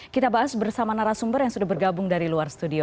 kita bahas bersama narasumber yang sudah bergabung dari luar studio